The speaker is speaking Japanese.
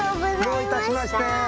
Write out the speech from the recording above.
どういたしまして。